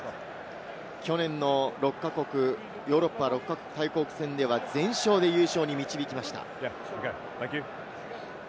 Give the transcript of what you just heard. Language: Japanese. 去年のヨーロッパ６か国対抗戦では全勝で優勝に導きました。